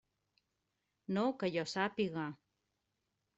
No, que jo sàpiga.